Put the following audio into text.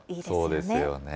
そうですよね。